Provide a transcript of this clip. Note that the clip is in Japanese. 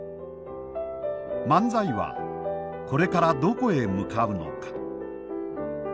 漫才はこれからどこへ向かうのか。